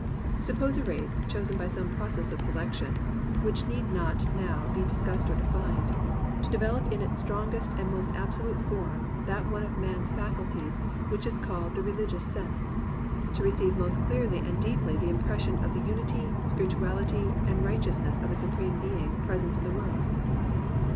Suppose a race chosen by some process of selec 7 COMPANIONABLE BOOKS tion (which need not now be discussed or defined) to develop in its strongest and most absolute form that one of man's faculties which is called the re ligious sense, to receive most clearly and deeply the impression of the unity, spirituality, and righteous ness of a Supreme Being present in the world.